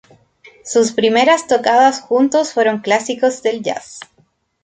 Sus primeras tocadas juntos fueron clásicos del jazz.